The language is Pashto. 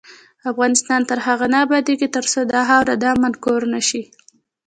افغانستان تر هغو نه ابادیږي، ترڅو دا خاوره د امن کور نشي.